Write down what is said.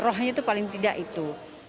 rohnya itu paling tidak itu